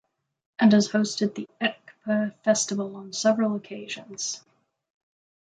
And has hosted the Ekpe festival on several occasions.